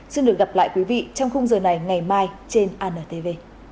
xin được gặp lại quý vị trong khung giờ này ngày mai trên antv